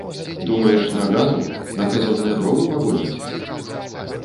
Думаеш, на газу, на казённыя дровы пагонімся?